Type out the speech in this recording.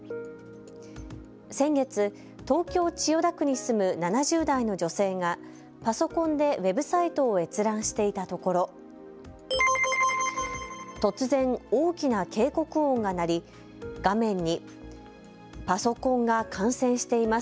先月、東京・千代田区に住む７０代の女性がパソコンでウェブサイトを閲覧していたところ突然大きな警告音が鳴り、画面にパソコンが感染しています。